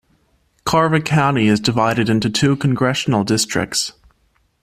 Carver County is divided into two congressional districts.